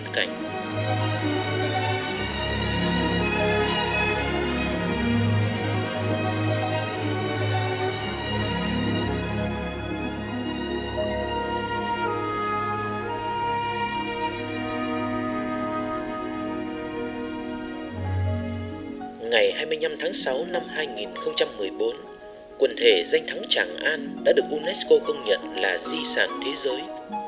năm hai nghìn một mươi bốn quần thể danh thắng tràng an đã được unesco công nhận là di sản thế giới